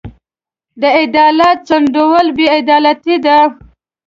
د عدالت ځنډول بې عدالتي ده.